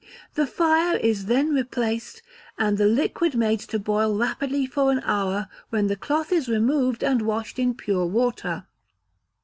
The fire is then replaced, and the liquid made to boil rapidly for an hour, when the cloth is removed and washed in pure water.